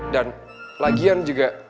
dan lagian juga